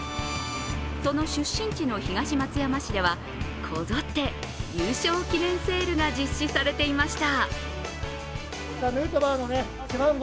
その出身地の東松山市ではこぞって優勝記念セールが実施されていました。